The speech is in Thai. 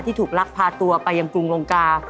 ถูกลักพาตัวไปยังกรุงลงกา